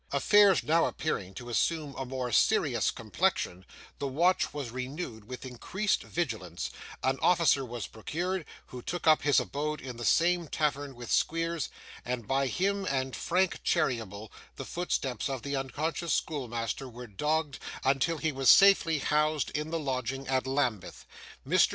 Affairs now appearing to assume a more serious complexion, the watch was renewed with increased vigilance; an officer was procured, who took up his abode in the same tavern with Squeers: and by him and Frank Cheeryble the footsteps of the unconscious schoolmaster were dogged, until he was safely housed in the lodging at Lambeth. Mr.